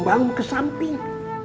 membangun ke samping